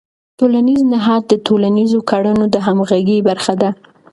ټولنیز نهاد د ټولنیزو کړنو د همغږۍ برخه ده.